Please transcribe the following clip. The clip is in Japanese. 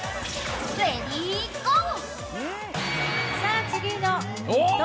レディーゴー！